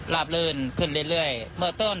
เรื่อยเรื่อย